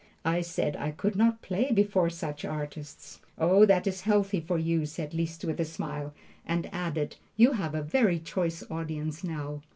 I said I could not play before such artists. "Oh, that is healthy for you," said Liszt with a smile, and added, "you have a very choice audience now."